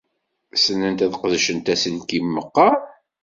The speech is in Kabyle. Ssnent ad sqedcent aselkim meqqar?